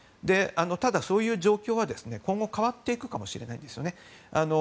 ただ、そういう状況は今後変わっていくかもしれないんです。